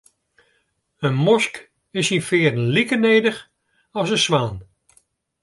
In mosk is syn fearen like nedich as in swan.